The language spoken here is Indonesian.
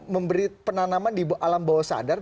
memberi penanaman di alam bawah sadar